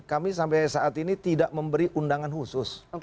kami sampai saat ini tidak memberi undangan khusus